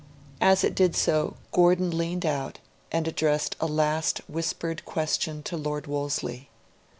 As it did so, Gordon leaned out and addressed a last whispered question to Lord Wolseley.